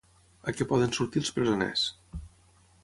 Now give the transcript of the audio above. A què poden sortir els presoners?